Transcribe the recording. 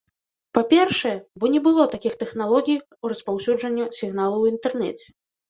Па-першае, бо не было такіх тэхналогій распаўсюджання сігналу ў інтэрнэце.